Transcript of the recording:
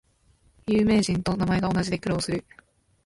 有名人と名前が同じで苦労する